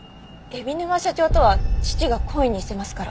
海老沼社長とは父が懇意にしてますから。